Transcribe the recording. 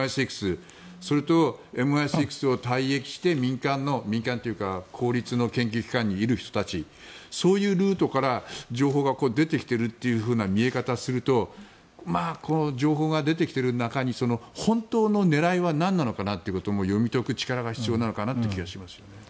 ＭＩ６それとＭＩ６を退役して民間の民間というか公立の研究機関いる人たちそういうルートから情報が出てきているという見え方をするとこの情報が出てきている中に本当の狙いは何なのかなというのを読み解く力が必要なのかなという気がしますね。